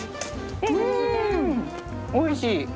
おいしい。